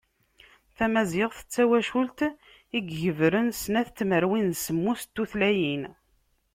Tamaziɣt d tawacult i yegebren snat n tmerwin d semmus n tutlayin.